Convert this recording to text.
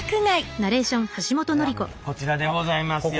あっこちらでございますよ。